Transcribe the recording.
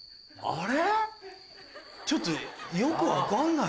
あれ？